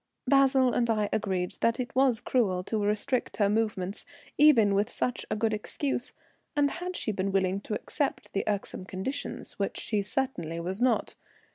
Basil and I agreed that it was cruel to restrict her movements even with such a good excuse, and had she been willing to accept the irksome conditions, which she certainly was not.